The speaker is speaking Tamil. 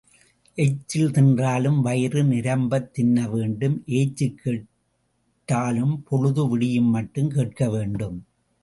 எச்சில் தின்றாலும் வயிறு நிரம்பத் தின்னவேண்டும் ஏச்சுக் கேட்டாலும் பொழுது விடியும்மட்டும் கேட்க வேண்டும்.